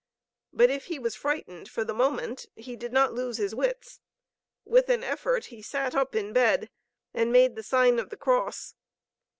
But if he was frightened for the moment, he did not lose his wits. With an effort, he sat up in bed and made the sign of the cross.